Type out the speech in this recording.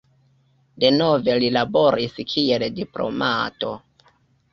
Denove li laboris kiel diplomato.